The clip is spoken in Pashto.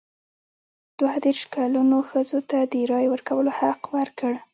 دوه دیرش کلنو ښځو ته د رایې ورکولو حق ورکړ.